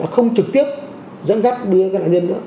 không trực tiếp dẫn dắt đưa các nạn nhân nữa